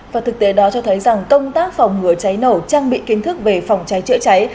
và thực tế đó cho thấy rằng công tác phòng ngừa cháy nổ trang bị kiến thức về phòng cháy chữa cháy